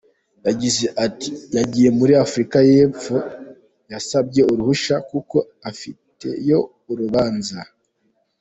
Yagize ati “Yagiye muri Afurika y’Epfo, yasabye uruhushya kuko afiteyo urubanza.